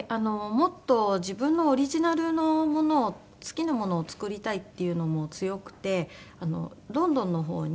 もっと自分のオリジナルのものを好きなものを作りたいっていうのも強くてロンドンのほうに。